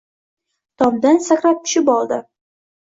Tomdan sakrab tushib oldi